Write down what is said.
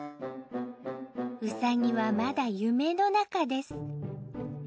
うさぎはまだ夢の中です。